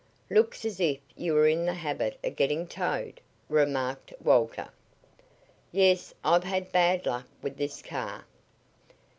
"Looks as if you were in the habit of getting towed," remarked Walter. "Yes. I've had bad luck with this car."